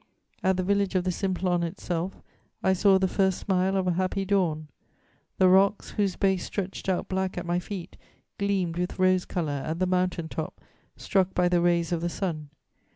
"At the village of the Simplon itself, I saw the first smile of a happy dawn. The rocks, whose base stretched out black at my feet, gleamed with rose colour at the mountain top, struck by the rays of the sun.